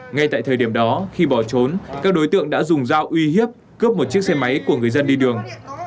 ngay tại thời điểm đó khi bỏ trốn các đối tượng đã dùng dao uy hiếp cướp một chiếc xe máy của người dân đi đường